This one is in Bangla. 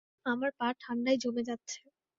আমার পা ঠাণ্ডায় জমে যাচ্ছে।